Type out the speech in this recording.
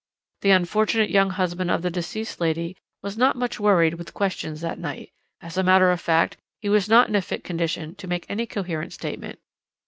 "The unfortunate young husband of the deceased lady was not much worried with questions that night. As a matter of fact, he was not in a fit condition to make any coherent statement.